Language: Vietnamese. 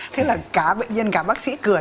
thế là cả bệnh nhân cả bác sĩ cười